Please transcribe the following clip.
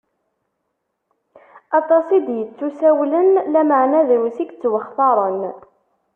Aṭas i d-ittusawlen, lameɛna drus i yettwaxtaṛen.